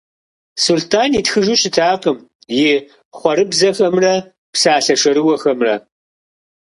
Сулътӏан итхыжу щытакъым и хъуэрыбзэхэмрэ и псалъэ шэрыуэхэмрэ.